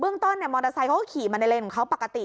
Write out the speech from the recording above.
เรื่องต้นมอเตอร์ไซค์เขาก็ขี่มาในเลนของเขาปกติ